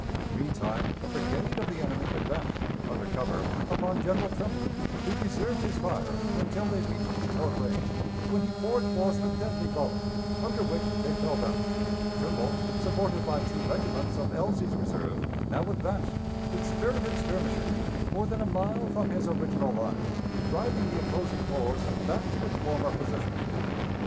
Meantime a brigade of the enemy advanced, under cover, upon General Trimble, who reserved his fire until they reached short range, when he poured forth a deadly volley, under which they fell back; Trimble, supported by two regiments of Elzey's reserve, now advanced, with spirited skirmishing, more than a mile from his original line, driving the opposing force back to its former position.